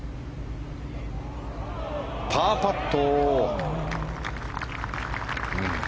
パーパット。